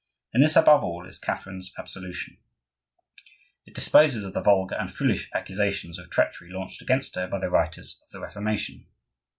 In this, above all, is Catherine's absolution. It disposes of the vulgar and foolish accusations of treachery launched against her by the writers of the Reformation.